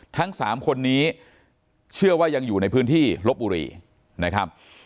ทั้ง๓คนนี้เชื่อว่ายังอยู่ในพื้นที่ลบบุรีนะครับ